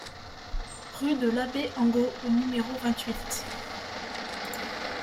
Rue de l'Abbé Angot au numéro vingt-huit